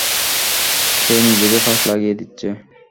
সে নিজেকে ফাঁস লাগিয়ে দিচ্ছে।